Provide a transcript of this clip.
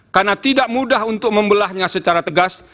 karena tidak mudah untuk membelahnya secara tegas